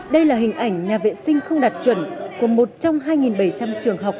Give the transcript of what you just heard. đây là hình ảnh nhà vệ sinh không đạt chuẩn của một trong hai bảy trăm linh trường học